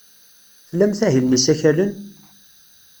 Tlamt ahil n yisakalen?